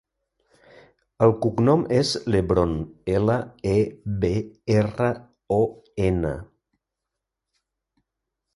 El cognom és Lebron: ela, e, be, erra, o, ena.